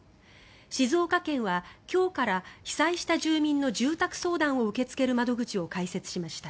静岡県は今日から被災した住民の住宅相談を受け付ける窓口を開設しました。